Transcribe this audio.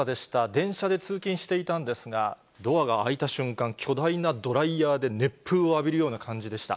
電車で通勤していたんですが、ドアが開いた瞬間、巨大なドライヤーで熱風を浴びるような感じでした。